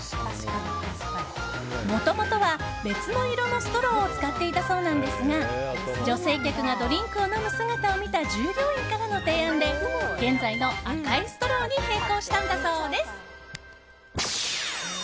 もともとは別の色のストローを使っていたそうなんですが女性客がドリンクを飲む姿を見た従業員からの提案で現在の赤いストローに変更したんだそうです。